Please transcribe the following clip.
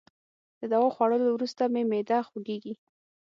د دوا خوړولو وروسته مي معده خوږیږي.